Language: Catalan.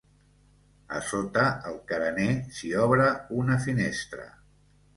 A sota el carener s'hi obre una finestra.